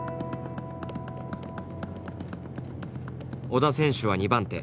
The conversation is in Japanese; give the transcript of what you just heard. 織田選手は２番手。